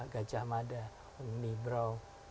gajah mada uni brau